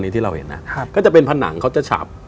ที่เราเห็นนะครับก็จะเป็นผนังเขาจะฉับ